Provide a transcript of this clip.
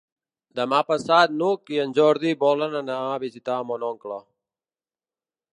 Demà passat n'Hug i en Jordi volen anar a visitar mon oncle.